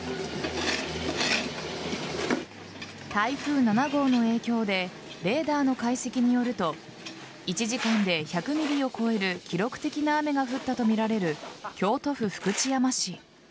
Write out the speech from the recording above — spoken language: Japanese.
台風７号の影響でレーダーの解析によると１時間で１００ｍｍを超える記録的な雨が降ったとみられる京都府福知山市。